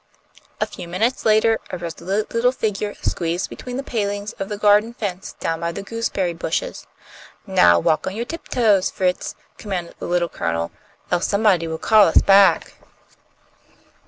A few minutes later a resolute little figure squeezed between the palings of the garden fence down by the gooseberry bushes. "Now walk on your tiptoes, Fritz!" commanded the Little Colonel, "else somebody will call us back."